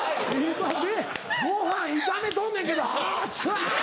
「今ご飯炒めとんねんけど熱っつ！」。